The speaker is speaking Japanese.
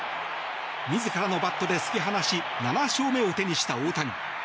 自らのバットで突き放し７勝目を手にした大谷。